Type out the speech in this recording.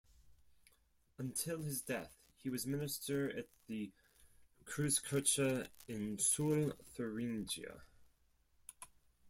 Until his death he was minister at the Kreuzkirche in Suhl, Thuringia.